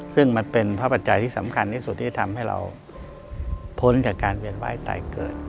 ซึ่งมันเป็นพระปัจจัยที่สำคัญที่สุดที่ทำให้เราพ้นจากการเป็นไหว้ตายเกิด